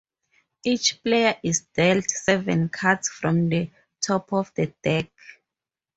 Each player is dealt seven cards from the top of the deck.